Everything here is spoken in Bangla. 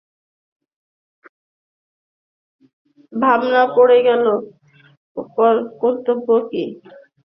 ভাবনা পড়ে গেল, কর্তব্য কী।